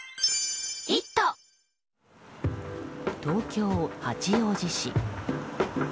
東京・八王子市。